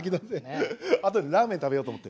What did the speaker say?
後でラーメン食べようと思って。